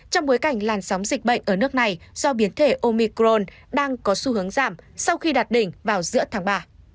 trong bối cảnh làn sóng dịch bệnh ở nước này do biến thể omicron đang có xu hướng giảm sau khi đạt đỉnh vào giữa tháng ba